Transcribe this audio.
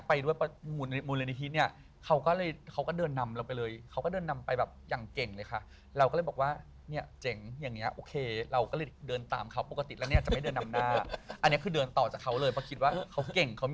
ไม่ได้กลับค่ะคือล่าสุดมีรายการนึงเหมือนกับเขา